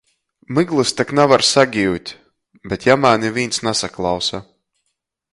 "Myglys tak navar sagiut!" Bet jamā nivīns nasaklausa.